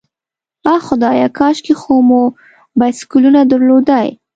آه خدایه، کاشکې خو مو بایسکلونه درلودای.